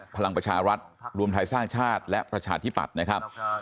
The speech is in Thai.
พลังประชารัฐรวมไทยสร้างชาติและประชาธิปัตย์นะครับ